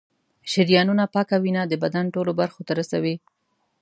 شریانونه پاکه وینه د بدن ټولو برخو ته رسوي.